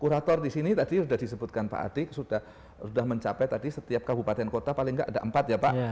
kurator di sini tadi sudah disebutkan pak adik sudah mencapai tadi setiap kabupaten kota paling tidak ada empat ya pak